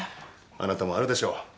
あなたもあるでしょう？